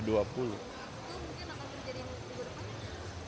itu mungkin akan menjadi yang minggu depan